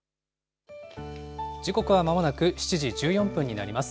時刻はまもなく７時１４分になります。